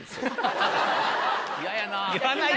嫌やな。